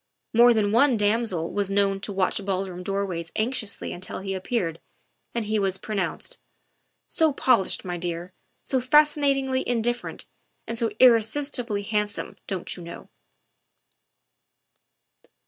More than one damsel was known to watch ballroom doorways anxiously until he appeared, and he was pronounced, " So polished, my dear, so fascinatingly indifferent, and so irresistibly handsome, don't you know."